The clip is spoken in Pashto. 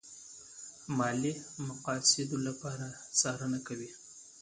ماليې مقاصدو لپاره څارنه کوي.